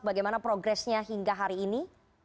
bagaimana progresnya hingga hari ini